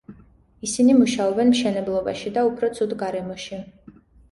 ისინი მუშაობენ მშენებლობაში და უფრო ცუდ გარემოში.